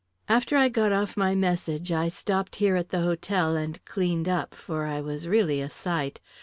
"After I got off my message, I stopped here at the hotel, and cleaned up, for I was really a sight.